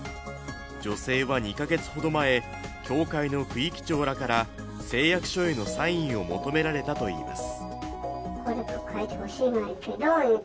女性は２か月ほど前教会の区域長らから誓約書へのサインを求められたといいます。